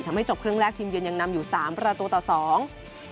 ทำให้จบครึ่งแรกทีมเยือนยังนำอยู่สามประตูต่อสอง